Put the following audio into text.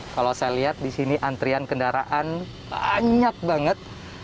kalau saya lihat di sini antrian kendaraan banyak banget